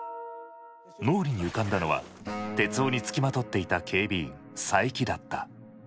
脳裏に浮かんだのは徹生につきまとっていた警備員佐伯だった。